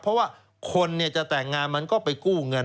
เพราะว่าคนจะแต่งงานมันก็ไปกู้เงิน